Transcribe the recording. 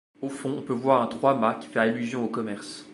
Au fond, on peut voir un trois-mâts qui fait allusion au commerce.